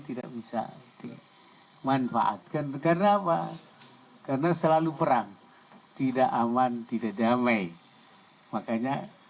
tidak bisa dimanfaatkan negara apa karena selalu perang tidak aman tidak damai makanya